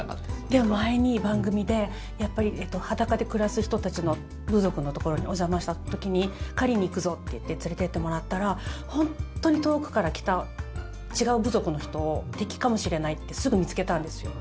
でも、前に番組で裸で暮らす人たちの部族のところにお邪魔した時に狩りに行くぞって言って連れてってもらったら本当に遠くから来た違う部族の人を敵かもしれないってすぐ見つけたんですよ。